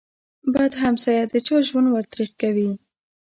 بد همسایه د چا ژوند ور تريخ کوي.